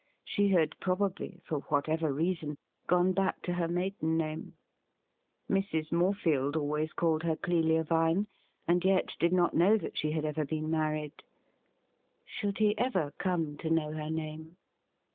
She had probably, for whatever reason, gone back to her maiden name. Mrs. Morefield always called her Clelia Vine, and yet did not BACK TO LONDON 127 know that she ever had been married. Should he ever come to know her name